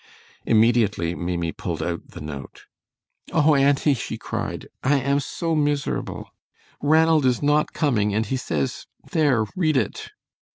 Immediately Maimie pulled out the note. "Oh, auntie," she cried, "I am so miserable; Ranald is not coming and he says there read it."